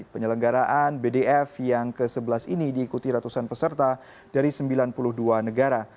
penyelenggaraan bdf yang ke sebelas ini diikuti ratusan peserta dari sembilan puluh dua negara